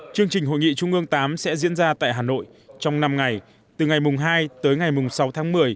chương trình hội nghị trung ương viii sẽ diễn ra tại hà nội trong năm ngày từ ngày hai tới ngày mùng sáu tháng một mươi